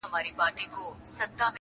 له پروازه وو لوېدلي شهپرونه.